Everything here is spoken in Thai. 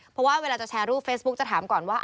เพราะว่าเวลาจะแชร์รูปเฟซบุ๊กจะถามก่อนว่า